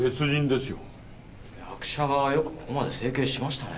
役者がよくここまで整形しましたねえ。